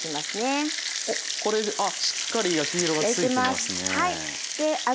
あっしっかり焼き色が付いてますね。